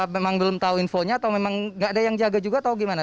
memang belum tahu infonya atau memang nggak ada yang jaga juga atau gimana